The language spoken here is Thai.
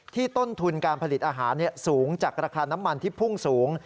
ต้นทุนการผลิตอาหารสูงจากราคาน้ำมันที่พุ่งสูง